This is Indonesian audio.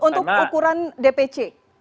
untuk ukuran dpc